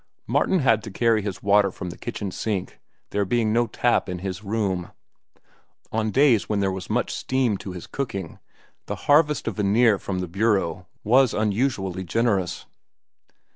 Martin had to carry his water from the kitchen sink, there being no tap in his room. On days when there was much steam to his cooking, the harvest of veneer from the bureau was unusually generous.